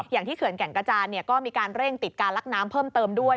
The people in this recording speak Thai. เขื่อนแก่งกระจานก็มีการเร่งติดการลักน้ำเพิ่มเติมด้วย